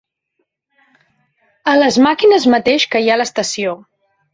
A les màquines mateix que hi ha a l'estació.